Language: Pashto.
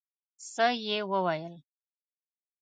څه يې وويل.